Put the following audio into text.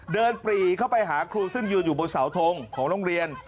ปรีเข้าไปหาครูซึ่งยืนอยู่บนเสาทงของโรงเรียน